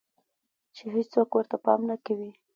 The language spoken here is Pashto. چې هيڅوک ورته پام نۀ کوي